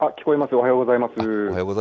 おはようございます。